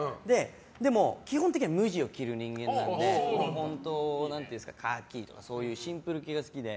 でも、基本的には無地を着る人間なので本当、カーキとかシンプル系が好きで。